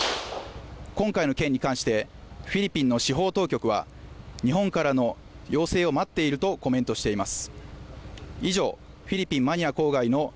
今回の件に関してフィリピンの司法当局は日本からの要請を待っているとコメントしています。